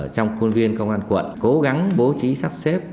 trong khuôn viên công an quận cố gắng bố trí sắp xếp